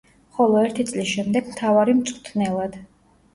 ხოლო ერთი წლის შემდეგ მთავარი მწვრთნელად.